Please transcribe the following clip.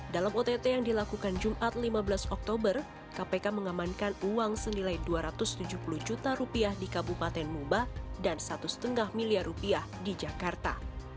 dalam ott yang dilakukan jumat lima belas oktober kpk mengamankan uang senilai dua ratus tujuh puluh juta rupiah di kabupaten muba dan rp satu lima miliar rupiah di jakarta